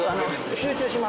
集中します